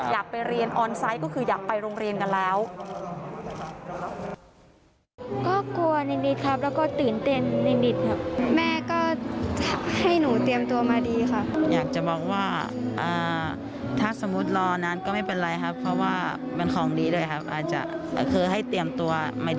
อยากไปเรียนออนไซต์ก็คืออยากไปโรงเรียนกันแล้ว